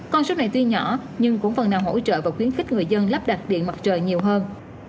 con số này tuy nhỏ nhưng cũng phần nào hỗ trợ và khuyến khích người dân lắp đặt điện mặt trời nhiều hơn